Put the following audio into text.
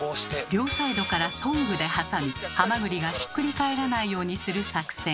両サイドからトングで挟みハマグリがひっくり返らないようにする作戦。